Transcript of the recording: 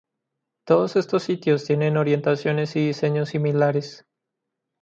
Todos estos sitios tienen orientaciones y diseño similares.